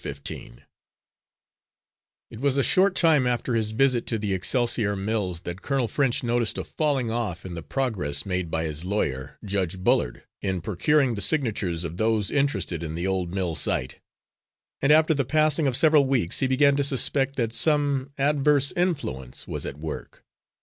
Fifteen It was only a short time after his visit to the Excelsior Mills that Colonel French noticed a falling off in the progress made by his lawyer, Judge Bullard, in procuring the signatures of those interested in the old mill site, and after the passing of several weeks he began to suspect that some adverse influence was at work.